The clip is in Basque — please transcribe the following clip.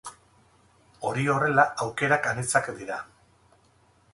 Hori horrela, aukerak anitzak dira.